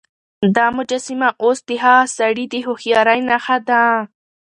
دا مجسمه اوس د هغه سړي د هوښيارۍ نښه ده.